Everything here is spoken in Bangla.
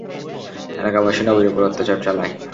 এলাকাবাসী নবীর উপর অত্যাচার চালায়।